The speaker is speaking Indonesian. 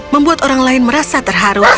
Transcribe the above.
membuat orang lain merasa terharu